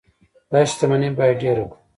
دا شتمني باید ډیره کړو.